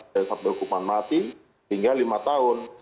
dari satu hukuman mati hingga lima tahun